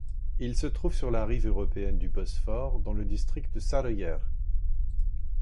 Il se trouve sur la rive européenne du Bosphore, dans le district de Sarıyer.